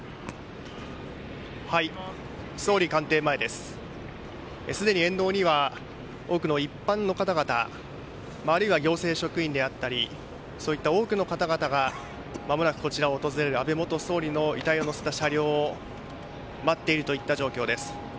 すでに沿道には多くの一般の方々あるいは行政職員であったり多くの方々がまもなくこちらを訪れる安倍元総理の遺体を乗せた車両を待っているといった状況です。